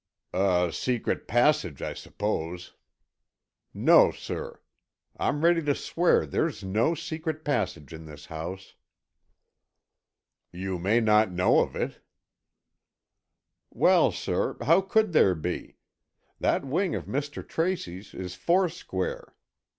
"A secret passage, I suppose." "No, sir. I'm ready to swear there's no secret passage in this house." "You may not know of it." "Well, sir, how could there be? That wing of Mr. Tracy's is foursquare.